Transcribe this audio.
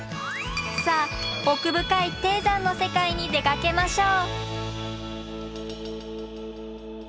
さあ奥深い低山の世界に出かけましょう。